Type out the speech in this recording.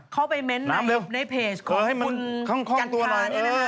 เข้าไปเม้นต์ในเพจของคุณจันทรา